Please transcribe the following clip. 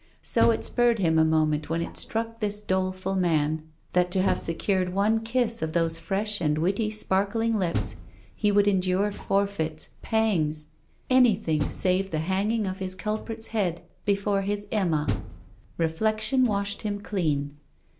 So it spurred him a moment, when it struck this doleful man that to have secured one kiss of those fresh and witty sparkling lips he would endure forfeits, pangs, anything save the hanging of his culprit's head before his Emma. Reflection washed him clean.